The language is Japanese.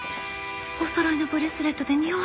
おそろいのブレスレットでにおわせてる。